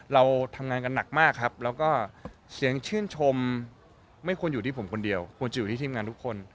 เราทำงานกันหนักมากครับแล้วก็เสียงชื่นชมไม่ควรอยู่ที่ผมคนเดียวควรจะอยู่ที่ทีมงานทุกคน